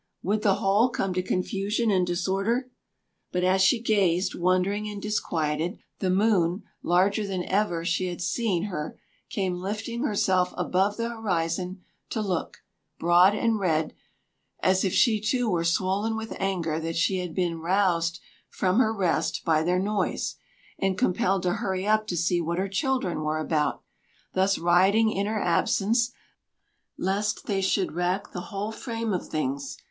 Would the whole come to confusion and disorder? But as she gazed, wondering and disquieted, the moon, larger than ever she had seen her, came lifting herself above the horizon to look, broad and red as if she too were swollen with anger that she had been roused from her rest by their noise, and compelled to hurry up to see what her children were about, thus rioting in her absence, lest they should rack the whole frame of things.